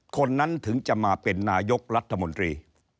คนนั้นถึงจะมาเป็นนายกรัฐมนตรี